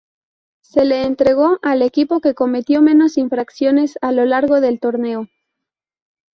Se le entregó al equipo que cometió menos infracciones a lo largo del torneo.